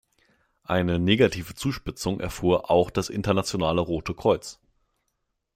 Eine negative Zuspitzung erfuhr auch das Internationale Rote Kreuz.